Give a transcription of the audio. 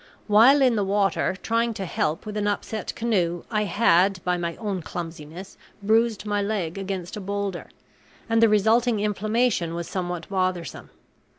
While in the water trying to help with an upset canoe I had by my own clumsiness bruised my leg against a boulder; and the resulting inflammation was somewhat bothersome.